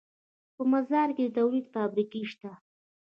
په مزار کې د تولید فابریکې شته